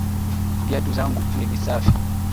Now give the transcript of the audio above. Viatu zangu ni visafi